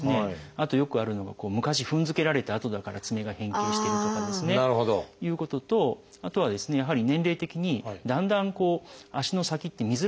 あとよくあるのが昔踏んづけられた跡だから爪が変形してるとかですねということとあとはですねやはり年齢的にだんだん足の先って見づらくなってくるんですね。